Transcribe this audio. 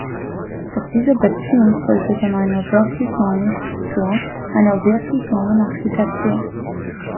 Doch dieser Beziehung fehlt es an einer wirklich neuen Struktur, einer wirklich neuen Architektur.